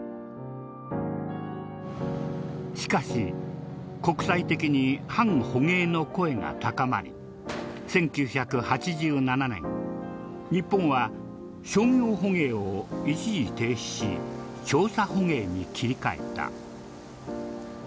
しかし国際的に反捕鯨の声が高まり１９８７年日本は商業捕鯨を一時停止し調査捕鯨に切り替えた。